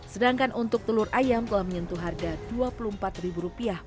sedangkan untuk telur ayam telah menyentuh harga dua puluh empat ribu rupiah